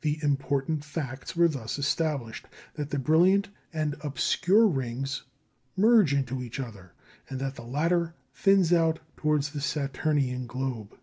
The important facts were thus established, that the brilliant and obscure rings merge into each other, and that the latter thins out towards the Saturnian globe.